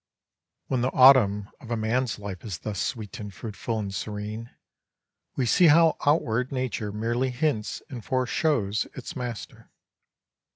When the autumn of a man's life is thus sweet and fruitful and serene, we see how outward nature merely hints and foreshows its master.